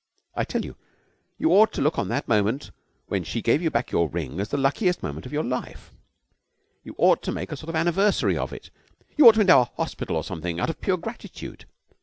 I tell you, you ought to look on that moment when she gave you back your ring as the luckiest moment of your life. You ought to make a sort of anniversary of it. You ought to endow a hospital or something out of pure gratitude.